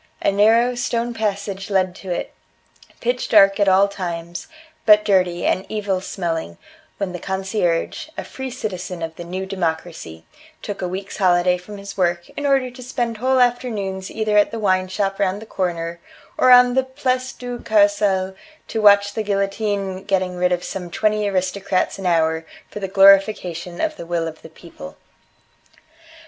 A narrow stone passage led to it pitch dark at all times, but dirty, and evil smelling when the concierge a free citizen of the new democracy took a week's holiday from his work in order to spend whole afternoons either at the wineshop round the corner, or on the Place du Carrousel to watch the guillotine getting rid of some twenty aristocrats an hour for the glorification of the will of the people.